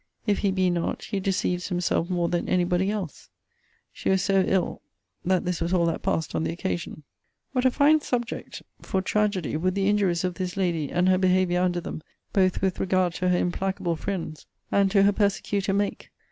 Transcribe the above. If he be not, he deceives himself more than any body else. She was so ill that this was all that passed on the occasion. What a fine subject for tragedy, would the injuries of this lady, and her behaviour under them, both with regard to her implacable friends, and to her persecutor, make!